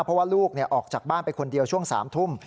เพราะว่าลูกออกจากบ้านไปคนเดียวช่วง๓ทุ่ม